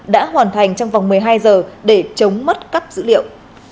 đã hoàn thành trong vòng một mươi hai giờ để chống mất cắp dữ liệu